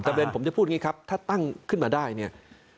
แต่ประเด็นผมจะพูดนี้ครับถ้าตั้งขึ้นมาได้เนี่ย